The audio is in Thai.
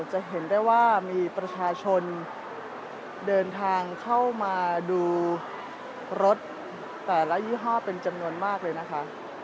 จะเห็นได้ว่ามีประชาชนเดินทางเข้ามาดูรถแต่ละยี่ห้อเป็นจำนวนมากเลยนะคะ